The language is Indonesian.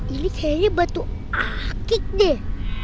ini kayaknya batu akik deh